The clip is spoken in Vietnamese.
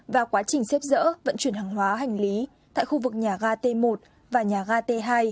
và quá trình xếp dỡ vận chuyển hàng hóa hành lý tại khu vực nhà ga t một và nhà ga t hai